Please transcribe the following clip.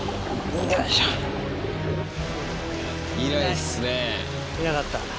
いなかった。